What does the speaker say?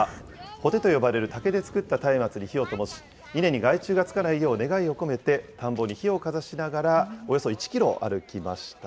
火手と呼ばれる竹で作ったたいまつに火をともし、稲に害虫がつかないよう願いを込めて田んぼに火をかざしながらおよそ１キロ歩きました。